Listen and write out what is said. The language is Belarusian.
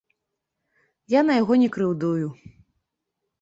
Я на яго не крыўдую.